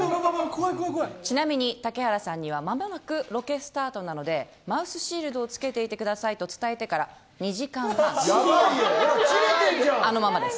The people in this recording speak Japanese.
ちなみに竹原さんには間もなくロケスタートなのでマウスシールドをつけていてくださいと伝えてから２時間半、あのままです。